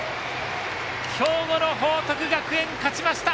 兵庫の報徳学園が勝ちました。